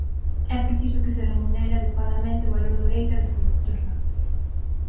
É preciso que se remunere adecuadamente o valor do leite e dos produtos lácteos.